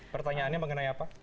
pertanyaannya mengenai apa